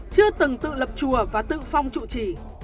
chưa từng tự lập chùa và tự phong trụ trì